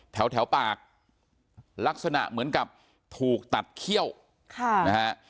แถวปากลักษณะเหมือนกับถูกตัดเขี้ยวค่ะนะฮะ